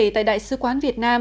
tại đại sứ quán việt nam